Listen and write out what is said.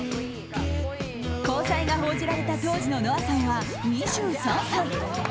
交際が報じられた当時のノアさんは２３歳。